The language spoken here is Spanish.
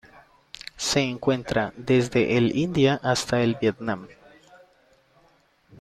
Se encuentra desde el India hasta el Vietnam.